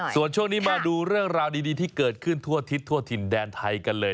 ส่วนช่วงนี้มาดูเรื่องราวดีที่เกิดขึ้นทั่วทิศทั่วถิ่นแดนไทยกันเลย